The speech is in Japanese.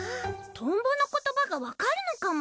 トンボの言葉がわかるのかも。